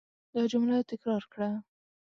دا جمله تکرار کړه.